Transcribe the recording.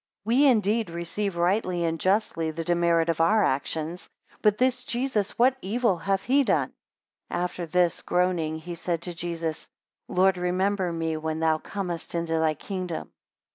We indeed receive rightly and justly the demerit of our actions; but this Jesus, what evil hath he done. 12 After this, groaning, he said to Jesus, Lord, remember me when thou comest into thy kingdom.